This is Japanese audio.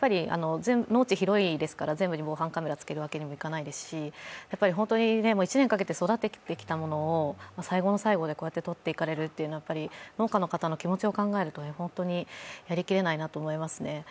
農地広いですから全部に防犯カメラつけるわけにもいかないですし本当に１年かけて育ててきたものを最後の最後でこうやってとっていかれるというのは、農家の方の気持ちを考えると本当にやりきれないなと思いますね。